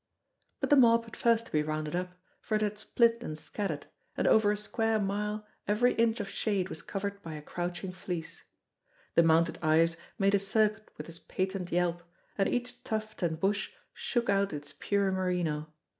But the mob had first to be rounded up, for it had split and scattered, and over a square mile every inch of shade was covered by a crouching fleece. The mounted Ives made a circuit with his patent yelp, and each tuft and bush shook out its pure merino.